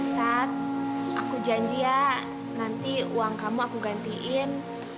saat aku janji ya nanti uang kamu aku gantiin